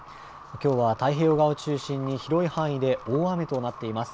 きょうは太平洋側を中心に広い範囲で大雨となっています。